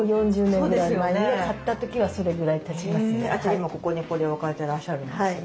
じゃあ今ここにこれを置かれてらっしゃるんですね。